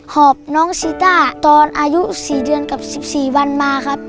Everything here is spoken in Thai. อบน้องซีต้าตอนอายุ๔เดือนกับ๑๔วันมาครับ